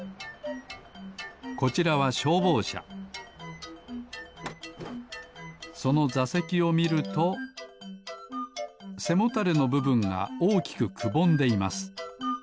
こちらはしょうぼうしゃそのざせきをみるとせもたれのぶぶんがおおきくくぼんでいます。